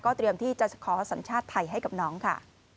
เตรียมที่จะขอสัญชาติไทยให้กับน้องค่ะ